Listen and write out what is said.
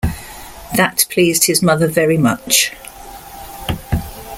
That pleased his mother very much.